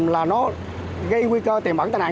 là nó gây nguy cơ tiền bẩn tai nạn